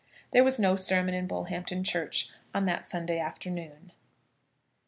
There was no sermon in Bullhampton Church on that Sunday afternoon.